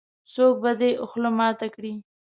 -څوک به دې خوله ماته کړې.